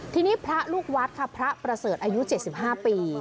ทีนี้พระลูกวัดค่ะพระประเสริฐอายุ๗๕ปี